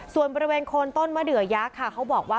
ส่วนประเวณคนต้นมะเดือยักษ์ค่ะ